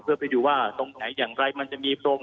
เพื่อไปดูว่าตรงไหนอย่างไรมันจะมีพรม